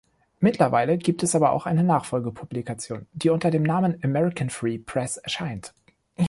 Mittlerweile gibt es aber eine Nachfolgepublikation, die unter dem Namen "American Free Press" erscheint.